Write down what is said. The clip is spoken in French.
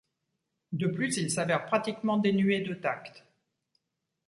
De plus, il s'avère pratiquement dénué de tact.